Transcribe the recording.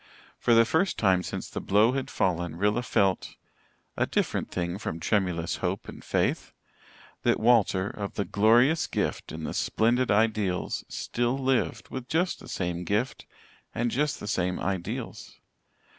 For the first time since the blow had fallen Rilla felt a different thing from tremulous hope and faith that Walter, of the glorious gift and the splendid ideals, still lived, with just the same gift and just the same ideals.